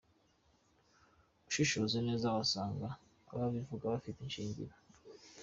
Ushishoje neza wasanga ababivuga bafite ishingiro.